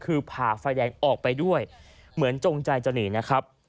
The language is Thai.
คือผ่าไฟแดงออกไปด้วยเหมือนจงใจจะหนีนะครับ